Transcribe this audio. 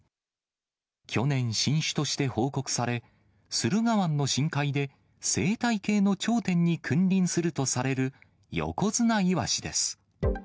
去年、新種として報告され、駿河湾の深海で生態系の頂点に君臨するとされる、ヨコヅナイワシです。